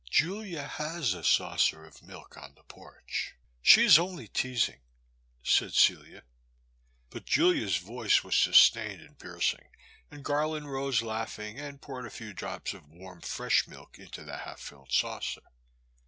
'' Julia has a saucer of milk on the porch ; she is only teasing," said Celia. But Julia's voice was sustained and piercing, and Garland rose laughing and poured a few drops of warm fresh milk into the half filled saucer.